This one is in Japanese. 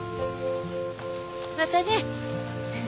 またね。